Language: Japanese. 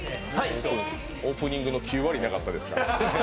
オープニングの９割いなかったですから。